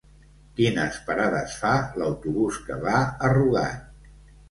Quines parades fa l'autobús que va a Rugat?